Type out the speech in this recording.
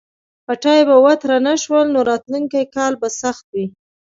پټي به وتره نه شول نو راتلونکی کال به سخت وي.